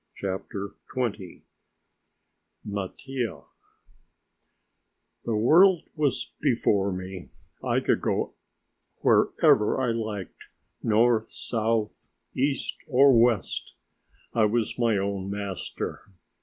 CHAPTER XX MATTIA The world was before me; I could go where I liked, north, south, east or west. I was my own master.